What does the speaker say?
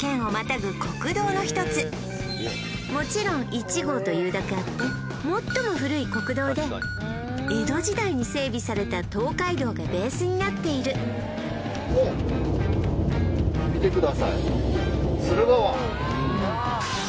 もちろん１号というだけあって最も古い国道で江戸時代に整備された東海道がベースになっている「お店の」